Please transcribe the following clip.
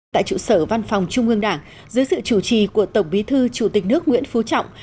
tại trụ sở văn phòng trung ương đảng dưới sự chủ trì của tổng bí thư chủ tịch nước nguyễn phú trọng